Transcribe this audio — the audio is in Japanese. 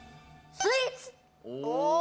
スイーツ！